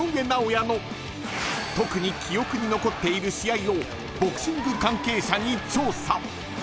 尚弥の特に記憶に残っている試合をボクシング関係者に調査］